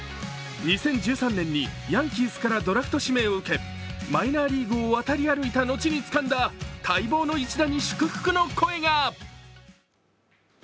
２０１３年にヤンキースからドラフト指名を受けマイナーリーグを渡り歩いた後につかんだ、待望の一打に祝福の声が。